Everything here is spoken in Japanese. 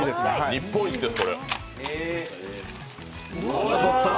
日本一です、これ。